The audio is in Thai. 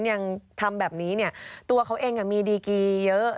ยังทำแบบนี้เนี่ยตัวเขาเองมีดีกีเยอะ